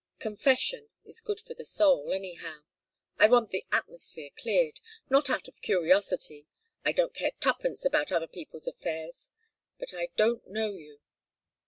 Confession is good for the soul, anyhow. I want the atmosphere cleared not out of curiosity I don't care tuppence about other people's affairs but I don't know you!